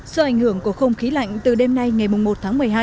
do ảnh hưởng của không khí lạnh từ đêm nay ngày một tháng một mươi hai